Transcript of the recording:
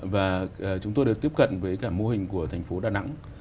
và chúng tôi được tiếp cận với cả mô hình của thành phố đà nẵng